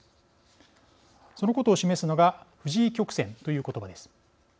そのことを示すのが藤井曲線という言葉です。